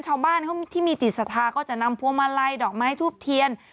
ชาวบ้านเขาที่มีจิตศรัทธาก็จะนำพวงมาลัยดอกไม้ทูบเทียน